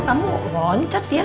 kamu roncat ya